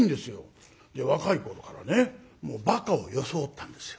若い頃からねバカを装ったんですよ。